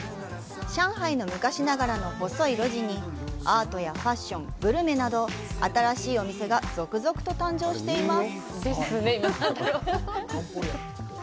上海の昔ながらの細い路地にアートやファッション、グルメなど新しいお店が続々と誕生しています。